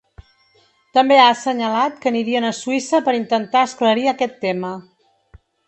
També ha assenyalat que anirien a Suïssa per intentar esclarir aquest tema.